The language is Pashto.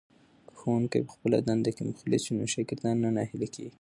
که ښوونکی په خپله دنده کې مخلص وي نو شاګردان نه ناهیلي کېږي.